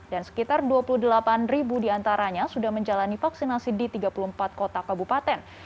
dan sekitar dua puluh delapan ribu di antaranya sudah menjalani vaksinasi di tiga puluh empat kota kabupaten